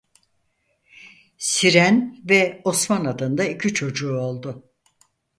Siren ve Osman adında iki çocuğu oldu.